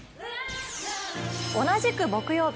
同じく木曜日。